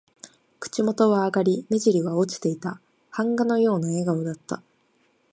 口元は上がり、目じりは落ちていた。版画のような笑顔だった。